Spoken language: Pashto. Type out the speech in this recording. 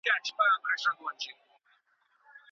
کله د انسان په ذهن کي د بدلون راوستلو فکر پیدا کېږي؟